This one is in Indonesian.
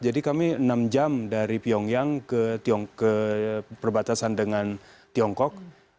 jadi kami enam jam dari pyongyang ke perbatasan dengan tiongkok